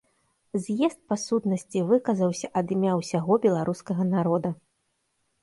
З'езд па сутнасці выказаўся ад імя ўсяго беларускага народа.